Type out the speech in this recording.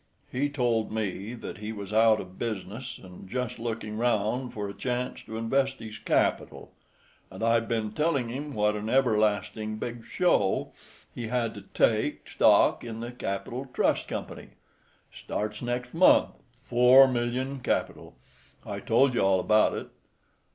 He told me that he was out of business, and just looking round for a chance to invest his capital. And I've been telling him what an everlasting big show he had to take stock in the Capitoline Trust Company—starts next month—four million capital—I told you all about it.